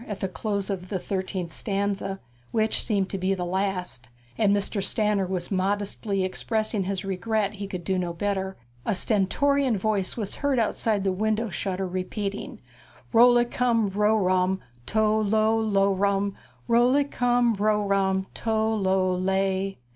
at the close of the thirteenth stanza, which seemed to be the last, and Mr. Stanner was modestly expressing his regret that he could do no better, a stentorian voice was heard outside the window shutter repeating, Rol' li cum ro' rum, tol' lol lo' rum, Rol' li cum ro' rum, tol' lol lay.